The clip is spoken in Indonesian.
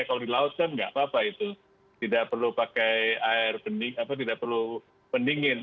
kalau di laut kan nggak apa apa itu tidak perlu pakai air pendingin